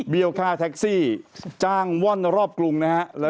เบี้ยวค่าแท็กซี่จ้างว่อนรอบกรุงนะครับ